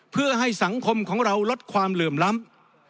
เพื่อให้สังคมของเราลดความเหลื่อมล้ำ